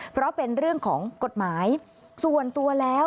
เพราะเป็นเรื่องของกฎหมายส่วนตัวแล้ว